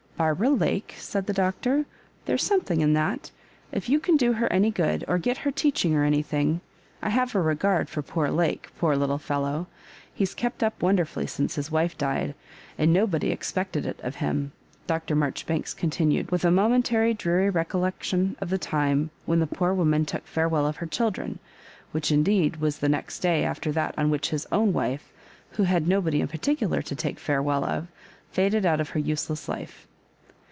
"Barbara Lake?" said the Doctor. " There's something in that. If you can do her any good, or get her teaching or anything — I have a regard for poor Lake, poor little fellow 1 He's kept up wonderfully since his wife died ; and nobody ex pected it of him," Dr. Marjoribanks continued, with a momentary dreary recollection of the time when the poor woman took farewell of her chil dren, which indeed was the next day after that on which his own wife, who had nobody in particu lar to take farewell of, faded out of her useless life.